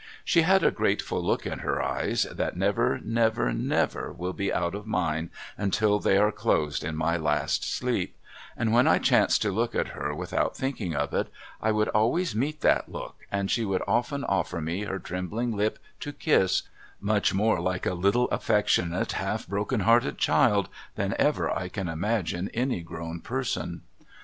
She had a grateful look in her eyes that never never never will be out of mine until they are closed in my last sleep, and when I chanced to look at her without thinking of it I would always meet that look, and she would often offer me her trembling lip to kiss, much more like a little affectionate half broken hearted child than ever I can imagine any grown person.